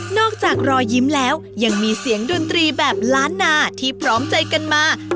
อกจากรอยยิ้มแล้วยังมีเสียงดนตรีแบบล้านนาที่พร้อมใจกันมา